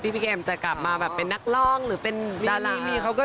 พี่เกมจะกลับมาแบบเป็นนักร้องหรือเป็นดารา